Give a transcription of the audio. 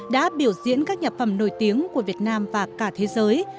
đã biểu diễn các nhạc phẩm nổi tiếng của việt nam và cả thế giới